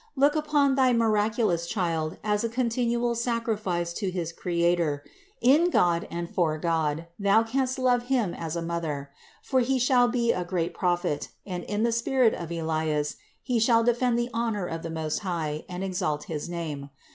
Look upon thy miraculous child as a continual sacrifice to his Creator; in God and for God thou canst love him as a mother; for he shall be a great Prophet, and in the spirit of Elias he shall defend the honor of the Most High and exalt his name.